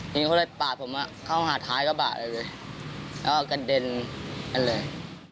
ทีนี้เขาเลยปากผมอะเข้าหาดท้ายเข้าบ้างเลยแล้วกระเด็นกันเลย